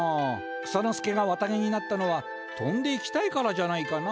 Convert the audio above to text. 草ノ助がわた毛になったのはとんでいきたいからじゃないかな。